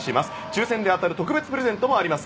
抽選で当たる特別プレゼントもあります。